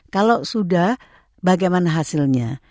kalau sudah bagaimana hasilnya